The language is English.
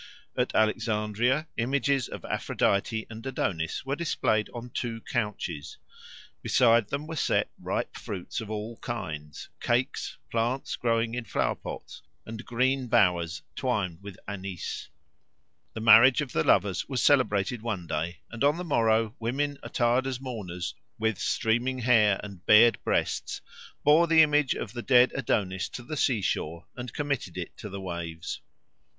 At Alexandria images of Aphrodite and Adonis were displayed on two couches; beside them were set ripe fruits of all kinds, cakes, plants growing in flower pots, and green bowers twined with anise. The marriage of the lovers was celebrated one day, and on the morrow women attired as mourners, with streaming hair and bared breasts, bore the image of the dead Adonis to the sea shore and committed it to the waves.